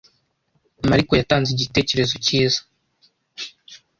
Mariko yatanze igitekerezo cyiza.